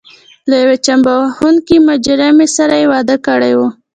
له یوې چمبه وهونکې مجرمې سره یې واده کړی و.